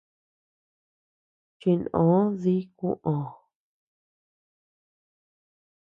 Chinʼö dí kuʼö.